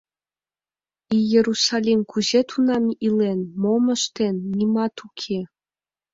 Иерусалим кузе тунам илен, мом ыштен — нимат уке.